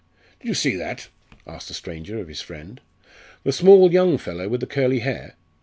"Did you see that man?" asked the stranger of his friend. "The small young fellow with the curly hair?"